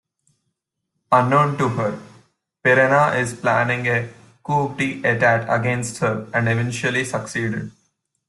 Unknown to her, Pirena is planning a coup-de-etat against her and eventually succeeded.